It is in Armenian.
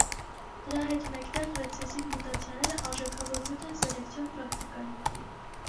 Դրա հետ մեկտեղ ռեցեսիվ մուտացիաները արժեքավոր նյութ են սելեկցիոն պրակտիկայում։